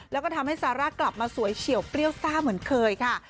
แล้วก็ทำให้ซาร่ากลับมาสวยเฉียวเปรี้ยวซ่าเหมือนเคยค่ะ